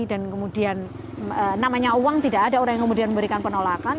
dan kemudian namanya uang tidak ada orang yang kemudian memberikan penolakan